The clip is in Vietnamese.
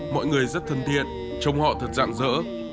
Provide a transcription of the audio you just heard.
mọi người rất thân thiện trông họ thật dạng dỡ